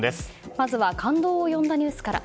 まずは感動を呼んだニュースから。